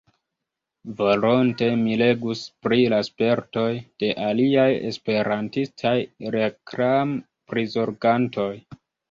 Volonte mi legus pri la spertoj de aliaj esperantistaj reklam-prizorgantoj.